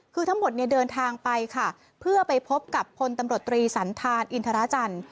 คือทั้งหมดเนี่ยเดินทางไปค่ะเพื่อไปพบกับพลตำรวจตรีสันธารอินทราจันทร์